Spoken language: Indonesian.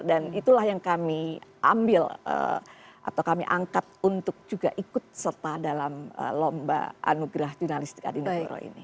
itulah yang kami ambil atau kami angkat untuk juga ikut serta dalam lomba anugerah jurnalistik adi nugro ini